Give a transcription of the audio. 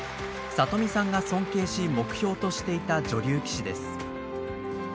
里見さんが尊敬し目標としていた女流棋士です。